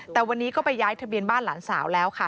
แต่วันนี้ก็ไปย้ายทะเบียนบ้านหลานสาวแล้วค่ะ